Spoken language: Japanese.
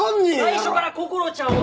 最初からこころちゃんを。